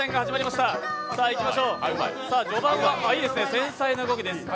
序盤は繊細な動きです。